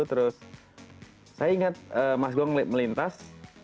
terus saya ingat mas gong melintas